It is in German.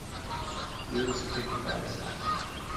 Jedes Kind weiß das.